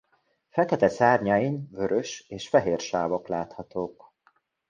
Fekete szárnyain vörös és fehér sávok láthatók.